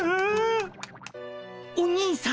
お兄さん。